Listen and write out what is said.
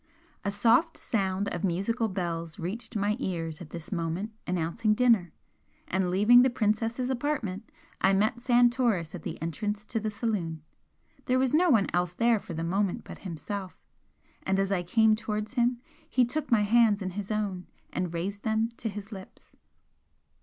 A soft sound of musical bells reached my ears at this moment announcing dinner, and leaving the 'princess's' apartment, I met Santoris at the entrance to the saloon. There was no one else there for the moment but himself, and as I came towards him he took my hands in his own and raised them to his lips.